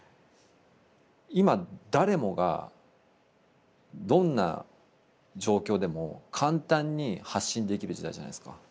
今誰もがどんな状況でも簡単に発信できる時代じゃないっすか。